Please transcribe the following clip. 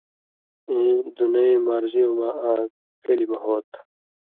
اېں دُنئیں مارزیوں مہ آں کلیۡ مہ ہو تھہ